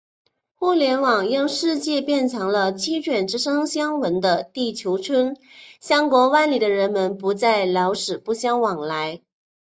互联网让世界变成了“鸡犬之声相闻”的地球村，相隔万里的人们不再“老死不相往来”。